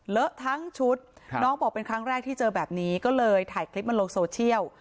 เลอะทั้งชุดน้องบอกเป็นครั้งแรกที่เจอแบบนี้ก็เลยถ่ายคลิปมาลงโซเชียล